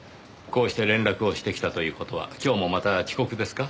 こうして連絡をしてきたという事は今日もまた遅刻ですか？